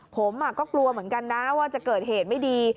ผมก็กลัวเหมือนกันนะว่าจะเกิดเหตุไม่ดี